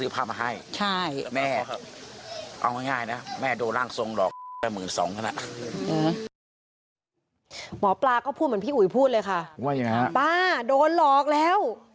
ป้าโดนหลอกแล้ว